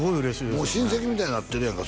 もう親戚みたいになってるやんか